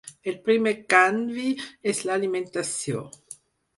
El primer canvi és l’alimentació.